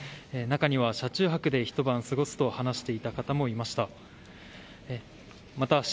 中には車中泊で一晩過ごすと話していた方もいました。